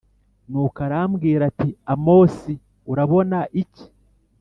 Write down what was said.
nuko arambwira ati «amosi, urabona iki?»